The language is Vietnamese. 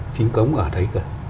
chính cống ở đấy cơ